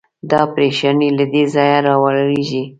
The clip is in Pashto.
دا پرېشاني له دې ځایه راولاړېږي.